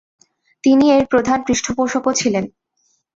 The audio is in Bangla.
তিনি এর প্রধান পৃষ্ঠপোষকও ছিলেন।